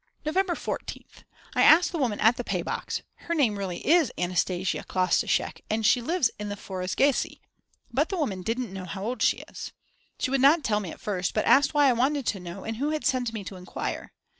November 14th. I asked the woman at the pay box, her name really is Anastasia Klastoschek and she lives in the Phorusgasse; but the woman didn't know how old she is. She would not tell me at first but asked why I wanted to know and who had sent me to enquire.